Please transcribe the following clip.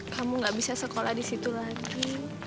kamu gak bisa sekolah disitu lagi